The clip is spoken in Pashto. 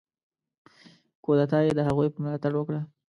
کودتا یې د هغوی په ملاتړ وکړه.